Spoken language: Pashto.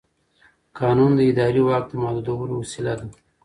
قانون د اداري واک د محدودولو وسیله ده.